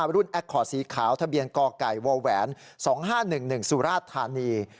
รุ่นแอคคอร์ดสีขาวทะเบียนกไก่วแหวน๒๕๑๑สุราชธานี